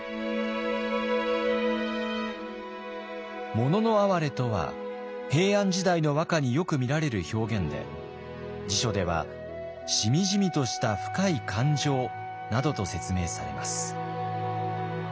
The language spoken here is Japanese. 「もののあはれ」とは平安時代の和歌によく見られる表現で辞書では「しみじみとした深い感情」などと説明されます。